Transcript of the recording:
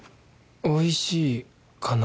おいしいかな？